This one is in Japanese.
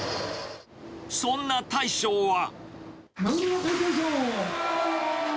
そんな大将は。